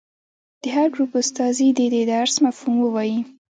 د هر ګروپ استازي دې د درس مفهوم ووايي.